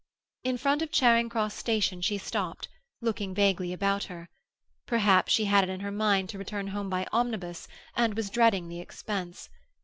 In front of Charing Cross Station she stopped, looking vaguely about her. Perhaps she had it in her mind to return home by omnibus, and was dreading the expense.